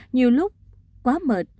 nhiều lúc quá mệt